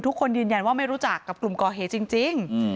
ทุกคนยืนยันว่าไม่รู้จักกับกลุ่มก่อเหตุจริง